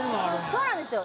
そうなんですよ。